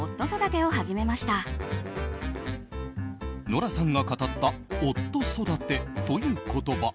ノラさんが語った夫育てという言葉。